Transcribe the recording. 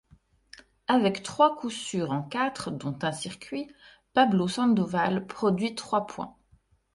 Avec trois coups sûrs en quatre dont un circuit, Pablo Sandoval produit trois points.